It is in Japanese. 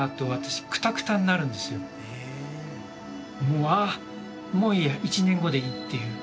もうああもういいや１年後でいいっていう。